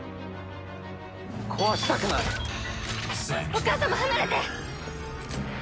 お母様離れて！